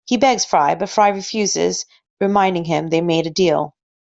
He begs Fry, but Fry refuses reminding him they made a deal.